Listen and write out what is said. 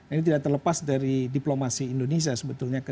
ini tidak terlepas dari diplomasi indonesia sebetulnya